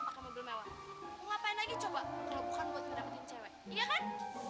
pakai mobil mewah ngapain lagi coba kalau bukan buat dapetin cewek iya kan